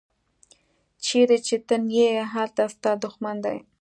چیرې چې ته نه یې هلته ستا دوښمن دی.